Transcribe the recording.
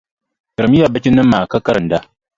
Tirimiya bachinima maa ka karinda.